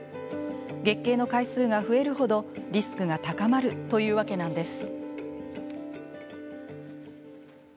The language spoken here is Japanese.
月経の回数が増えるほどリスクが高まるというわけなんです。